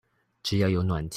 只要有暖氣